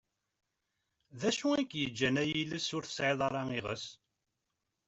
D acu i k-yeĝĝan ay iles ur tesεiḍ ara iɣes?